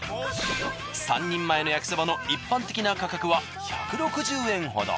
３人前の焼きそばの一般的な価格は１６０円ほど。